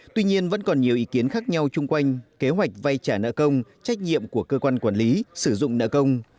tuy nhiên vẫn còn nhiều ý kiến khác nhau chung quanh kế hoạch vay trả nợ công trách nhiệm của cơ quan quản lý sử dụng nợ công